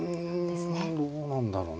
うんどうなんだろうね。